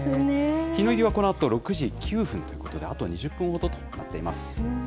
日の入りはこのあと６時９分ということで、あと２０分ほどとなっています。